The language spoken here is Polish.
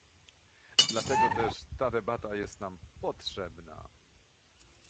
Dlatego też ta debata jest nam potrzebna